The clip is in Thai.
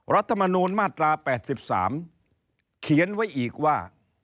รัฐมนูลมาตรา๘๓เขียนไว้อีกว่า